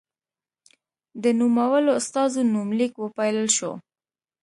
د نومولو استازو نومليک وپايلل شو.